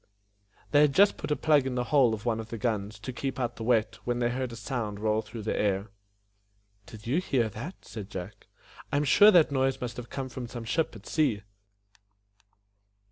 They had just put a plug in the hole of one of the guns, to keep out the wet, when they heard a sound roll through the air. "Did you bear that?" said Jack. "I am sure that noise must have come from some ship at sea.